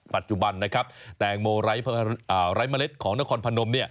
ปัจจุบันแตงโมไรมะเล็ตของนครพาณม